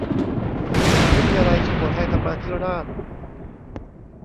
มหาวิทยาลัยสุโขทัยธรรมาธิราช